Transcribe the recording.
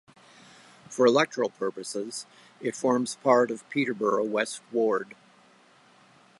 For electoral purposes it forms part of Peterborough West ward.